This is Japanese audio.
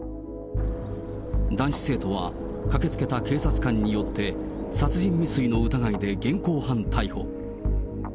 男子生徒は駆けつけた警察官によって、殺人未遂の疑いで現行犯逮捕。